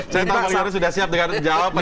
saya tahu bang yoris sudah siap dengan jawaban ini